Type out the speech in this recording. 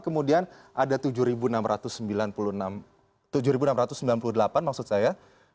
kemudian ada tujuh enam ratus sembilan puluh delapan maksud saya